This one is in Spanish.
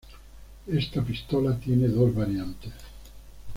Esta pistola tiene dos variantes.